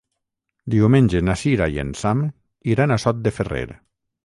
Diumenge na Sira i en Sam iran a Sot de Ferrer.